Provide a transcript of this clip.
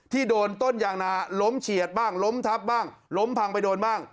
โดนต้นยางนาล้มเฉียดบ้างล้มทับบ้างล้มพังไปโดนบ้าง